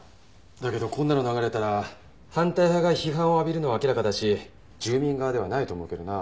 だけどこんなの流れたら反対派が批判を浴びるのは明らかだし住民側ではないと思うけどな。